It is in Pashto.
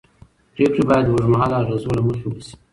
پرېکړې باید د اوږدمهاله اغېزو له مخې وشي